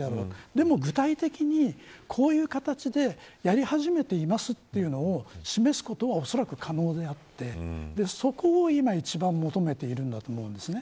でも具体的に、こういう形でやり始めていますというのを示すことはおそらく可能であってそこを今一番求めているんだと思うんですね。